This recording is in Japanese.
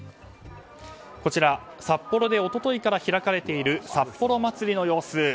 札幌で一昨日から開かれている札幌まつりの様子。